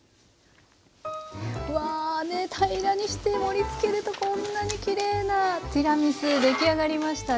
うわねえ平らにして盛りつけるとこんなにきれいなティラミス出来上がりました。